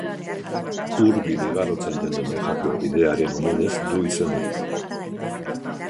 Hurbil igarotzen den Donejakue bidearen omenez du izen hori.